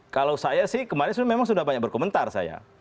kalau saya sih kemarin memang sudah banyak berkomentar saya